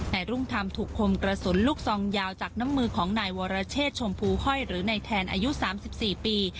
นายรุ่งทำถุคมกระสุนลูกซองยาวจากน้ำมือของนายวรเชษชมพูห้อยหรือในแทนอายุสามสิบสี่ปี